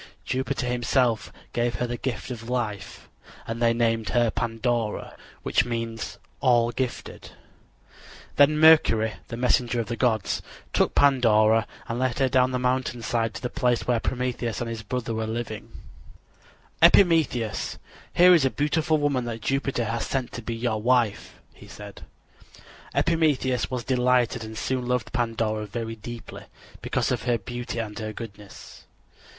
Jupiter himself gave her the gift of life, and they named her Pandora, which means "all gifted." Then Mercury, the messenger of the gods, took Pandora and led her down the mountain side to the place where Prometheus and his brother were living. [Illustration: PROMETHEUS PUNISHED FOR HIS GIFT TO MAN] "Epimetheus, here is a beautiful woman that Jupiter has sent to be your wife," he said. Epimetheus was delighted and soon loved Pandora very deeply, because of her beauty and her goodness.